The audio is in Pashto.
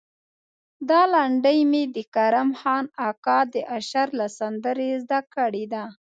دا لنډۍ مې د کرم خان اکا د اشر له سندرې زده کړې ده.